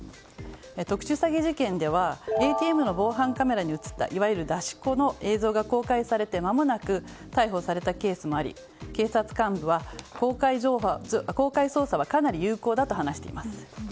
特殊詐欺事件ではＡＴＭの防犯カメラに映ったいわゆる出し子の映像が公開されてまもなく逮捕されたケースもあり警察官は公開捜査はかなり有効だと話しています。